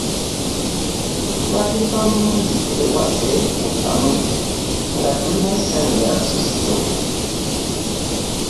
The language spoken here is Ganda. Twatuuka bulungi ewaffe mu Kamuli nga tulina essanyu Iya nsusso.